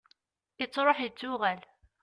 yettruḥ yettuɣal